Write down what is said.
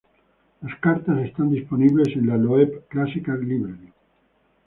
Las cartas están disponibles en la Loeb Classical Library.